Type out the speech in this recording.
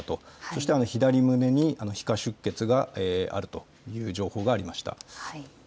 そして左胸に皮下出血があるという情報がありました。